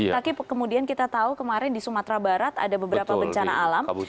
tapi kemudian kita tahu kemarin di sumatera barat ada beberapa bencana alam